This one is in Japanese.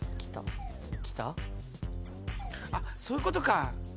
あっそういうことか。